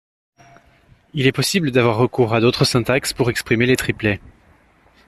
Il est possible d'avoir recours à d'autres syntaxes pour exprimer les triplets.